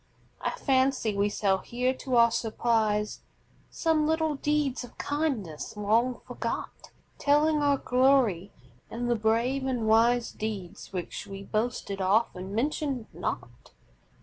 I fancy we shall hear to our surprise Some little deeds of kindness, long forgot, Telling our glory, and the brave and wise Deeds which we boasted often, mentioned not.